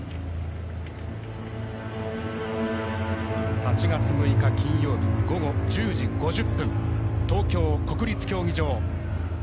８月６日、金曜日午後１０時５０分東京・国立競技場。